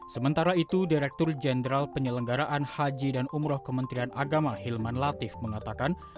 sementara itu direktur jenderal penyelenggaraan haji dan umroh kementerian agama hilman latif mengatakan